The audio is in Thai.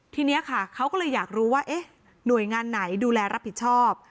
ทีนี้ค่ะเขาก็เลยอยากรู้ว่าหน่วยงานไหนดูแลรับผิดชอบ